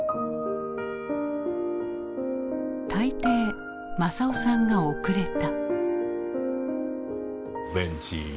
大抵政男さんが遅れた。